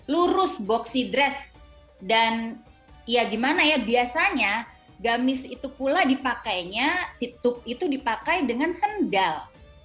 lurus boxy dress dan ya gimana ya biasanya gamis itu pula dipakainya si tub itu dipakai dengan sendal